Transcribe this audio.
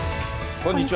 こんにちは。